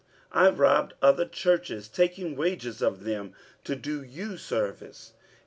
47:011:008 I robbed other churches, taking wages of them, to do you service.